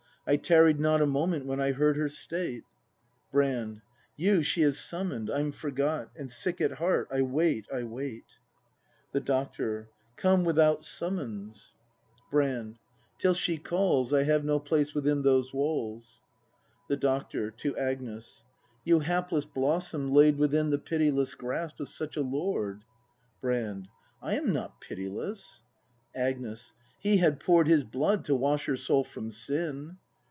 I tarried not A moment when I heard her state. Brand. You she has summon'd: I'm forgot, — And sick at heart, I wait, I wait. The Doctor. Come without summons! 112 BRAND [ACT III Brand. Till she calls, I have no place within those walls. The Doctor. [To Agnes.] You hapless blossom, laid within The pitiless grasp of such a lord! Brand. I am not pitiless. Agnes. He had pour'd His blood, to wash her soul from sin!